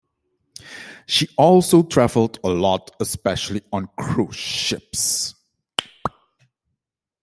She also traveled "a lot, especially on cruise ships".